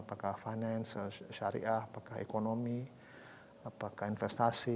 apakah finance syariah apakah ekonomi apakah investasi